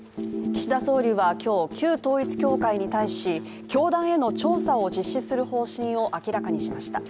岸田総理は今日、旧統一教会に対し教団への調査を実施する方針を明らかにしました。